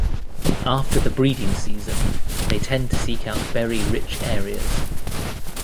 After the breeding season, they tend to seek out berry-rich areas.